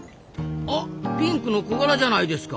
あっピンクのコガラじゃないですか！